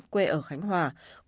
quê ở khánh hòa